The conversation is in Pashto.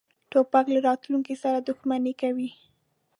توپک له راتلونکې سره دښمني کوي.